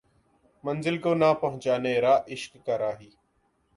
منزل کو نہ پہچانے رہ عشق کا راہی